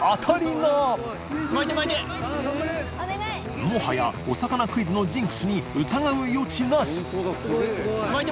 磴發呂お魚クイズのジンクスに疑う余地なしい巻いて！